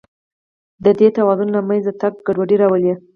د دې توازن له منځه تګ ګډوډي راولي.